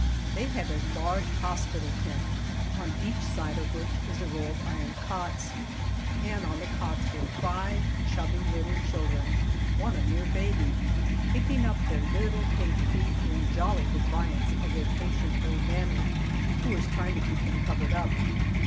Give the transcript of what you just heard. They have a large hospital tent, on each side of which is a row of iron cots, and on the cots were five chubby little children one a mere baby kicking up their little pink feet in jolly defiance of their patient old mammy, who was trying to keep them covered up.